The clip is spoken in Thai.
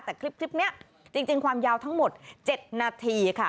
แต่คลิปนี้จริงความยาวทั้งหมด๗นาทีค่ะ